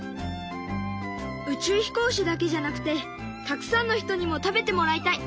宇宙飛行士だけじゃなくてたくさんの人にも食べてもらいたい。